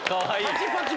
パチパチ！